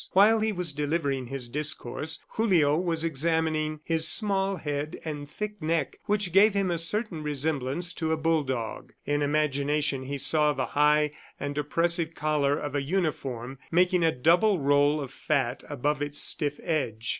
While he was delivering his discourse, Julio was examining his small head and thick neck which gave him a certain resemblance to a bull dog. In imagination he saw the high and oppressive collar of a uniform making a double roll of fat above its stiff edge.